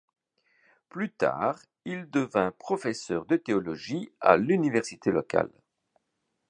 Plus tard, il devint professeur de théologie à l'université locale.